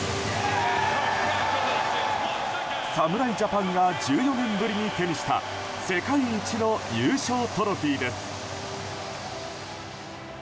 侍ジャパンが１４年ぶりに手にした世界一の優勝トロフィーです。